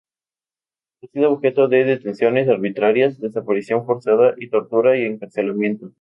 Ha sido objeto de detenciones arbitrarias, desaparición forzada, tortura y encarcelamiento.